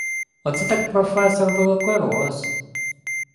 Оце так професор-великорос!